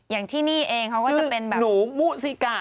อย่างที่นี่เองเขาก็จะเป็นแบบหนูมุสิกะ